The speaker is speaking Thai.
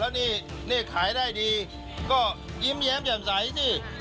แล้วนี่เลขขายได้ดีก็ยิ้มแย้มแจ่มใสสิ